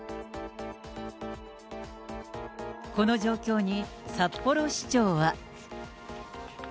この状況に、札幌市長は。